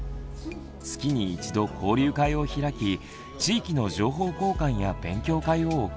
月に一度交流会を開き地域の情報交換や勉強会を行っています。